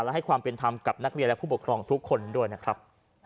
และให้ความเป็นธรรมกับนักเรียนและผู้ปกครองทุกคนด้วยนะครับ